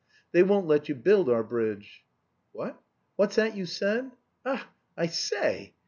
They won't let you build our bridge." "What! What's that you said? Ach, I say!"